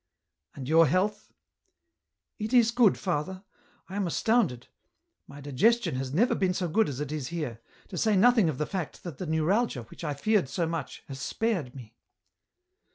" And your health ?"" It is good, father ; I am astounded ; my digestion has never been so good as it is here ; to say nothing of the fact that the neuralgia, which I feared so much, has spared me."